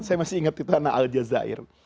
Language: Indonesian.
saya masih ingat itu anak al jazair